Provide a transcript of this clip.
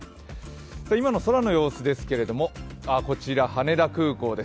今の空の様子ですけれども、こちら羽田空港です。